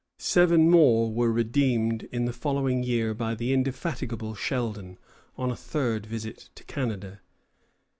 Seven more were redeemed in the following year by the indefatigable Sheldon, on a third visit to Canada.